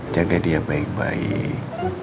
jaga dia baik baik